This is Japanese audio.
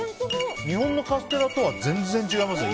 日本のカステラとは全然違いますよ。